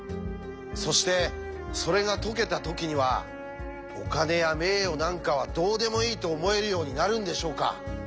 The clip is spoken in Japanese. そしてそれが解けた時にはお金や名誉なんかはどうでもいいと思えるようになるんでしょうか？